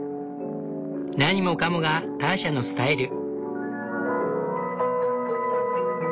何もかもがターシャのスタイル。